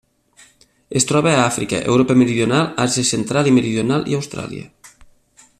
Es troba a Àfrica, Europa meridional, Àsia central i meridional i Austràlia.